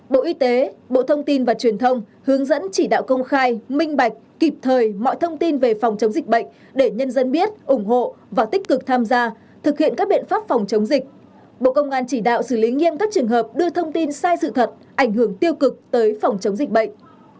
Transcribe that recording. bộ y tế bộ thông tin và truyền thông hướng dẫn chỉ đạo công khai minh bạch kịp thời mọi thông tin về phòng chống dịch bệnh để nhân dân biết ủng hộ và tích cực tham gia thực hiện các biện pháp phòng chống dịch bộ công an chỉ đạo xử lý nghiêm các trường hợp đưa thông tin sai sự thật ảnh hưởng tiêu cực tới phòng chống dịch bệnh